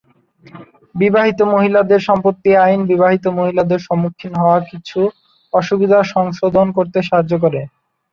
বিবাহিত মহিলাদের সম্পত্তি আইন বিবাহিত মহিলাদের সম্মুখীন হওয়া কিছু অসুবিধা সংশোধন করতে সাহায্য করে।